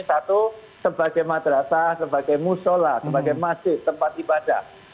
satu sebagai madrasah sebagai musola sebagai masjid tempat ibadah